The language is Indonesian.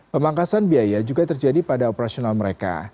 pemangkasan biaya juga terjadi pada operasional mereka